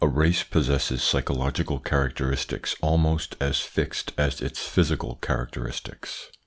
A race possesses psychological characteristics almost as fixed as its physical characteristics.